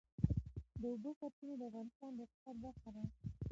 د اوبو سرچینې د افغانستان د اقتصاد برخه ده.